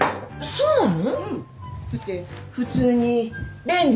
そうなの？